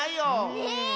ねえ。